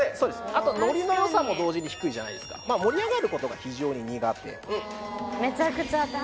あとノリのよさも同時に低いじゃないですかまあ盛り上がることが非常に苦手